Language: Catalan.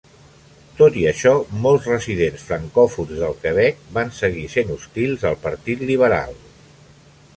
Tot i això, molts residents francòfons del Quebec van seguir sent hostils al partit liberal.